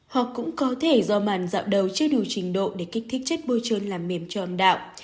hoặc cũng có thể do màn dạo đầu chưa đủ trình độ để kích thích chất bôi trơn làm mềm tròn đạo